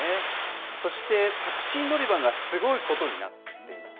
そしてタクシー乗り場がすごいことになっていた。